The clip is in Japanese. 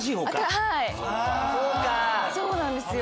はいそうなんですよ。